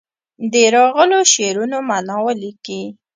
د راغلو شعرونو معنا ولیکي.